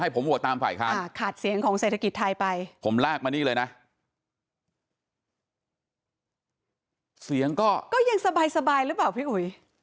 เสียงก็ยังสบายหรือเปล่าพี่อุ๋ย